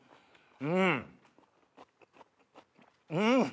うん。